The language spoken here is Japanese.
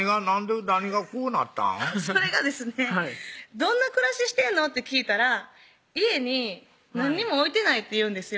「どんな暮らししてんの？」って聞いたら「家に何にも置いてない」って言うんですよ